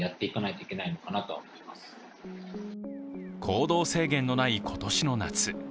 行動制限のない今年の夏。